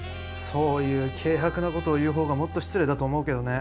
そういう軽薄なことを言う方がもっと失礼だと思うけどね。